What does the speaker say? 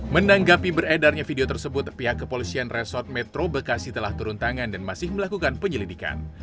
menanggapi beredarnya video tersebut pihak kepolisian resort metro bekasi telah turun tangan dan masih melakukan penyelidikan